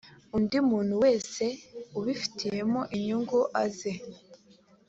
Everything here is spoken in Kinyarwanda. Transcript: undi muntu wese ubifitemo inyungu aze